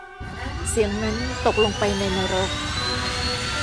เสียงนั้นตกลงไปในนรก